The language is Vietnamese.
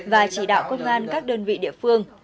và chỉ đạo công an các đơn vị địa phương